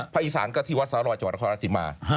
พระอีสานก็ที่วัดศาลอยด์จังหวัดนครราชิมมา